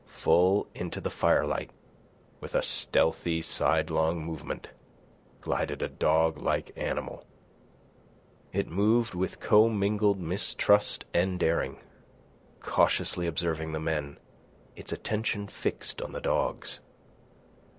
Full into the firelight, with a stealthy, sidelong movement, glided a doglike animal. It moved with commingled mistrust and daring, cautiously observing the men, its attention fixed on the dogs.